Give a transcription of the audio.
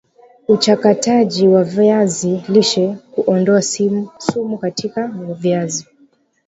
uchakataji wa viazi lishe Kuondoa sumu katika viazi